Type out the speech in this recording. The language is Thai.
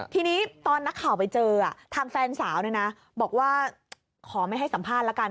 ทีนี้ตอนนักข่าวไปเจอทางแฟนสาวเนี่ยนะบอกว่าขอไม่ให้สัมภาษณ์ละกัน